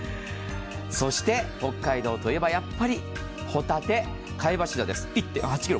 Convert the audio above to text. そして北海道といえば、やっぱりホタテ、貝柱です、１．８ｋｇ。